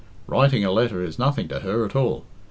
Writing a letter is nothing to her at all.